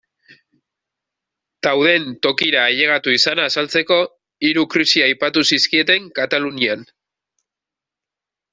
Dauden tokira ailegatu izana azaltzeko, hiru krisi aipatu zizkieten Katalunian.